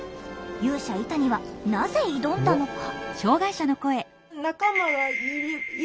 勇者イタニはなぜ挑んだのか？